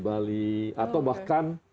bali atau bahkan